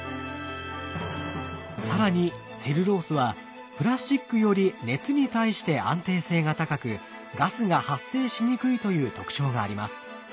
更にセルロースはプラスチックより熱に対して安定性が高くガスが発生しにくいという特徴があります。